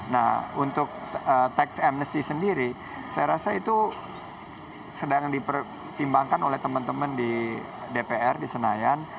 nah untuk tax amnesty sendiri saya rasa itu sedang dipertimbangkan oleh teman teman di dpr di senayan